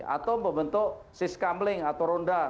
atau membentuk siskamling atau ronda